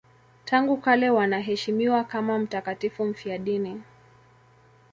Tangu kale wanaheshimiwa kama mtakatifu mfiadini.